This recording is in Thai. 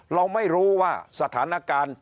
เราไม่รู้ว่าสถานการณ์